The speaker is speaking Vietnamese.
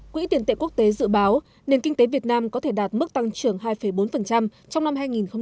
quỹ tiền tệ quốc tế dự báo nền kinh tế việt nam có thể đạt mức tăng trưởng hai bốn trong năm hai nghìn hai mươi